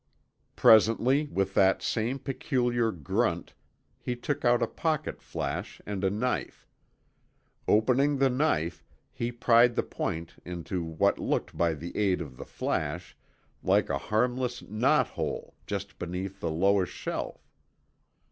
Presently with that same peculiar grunt he took out a pocket flash and a knife. Opening the knife he pried the point into what looked by the aid of the flash like a harmless knot hole just beneath the lowest shelf.